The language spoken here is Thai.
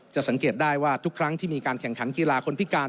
สังเกตได้ว่าทุกครั้งที่มีการแข่งขันกีฬาคนพิการ